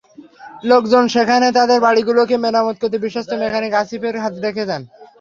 লোকজন সেখানে তাঁদের গাড়িগুলোকে মেরামত করতে বিশ্বস্ত মেকানিক আসিফের হাতে রেখে যান।